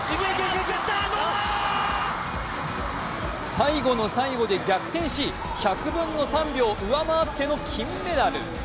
最後の最後で逆転し１００分の３秒上回っての金メダル。